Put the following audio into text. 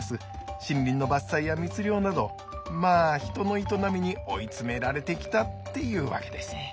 森林の伐採や密猟などまあ人の営みに追い詰められてきたっていうわけです。